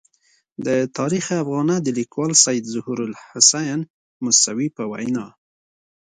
د تاریخ افاغنه د لیکوال سید ظهور الحسین موسوي په وینا.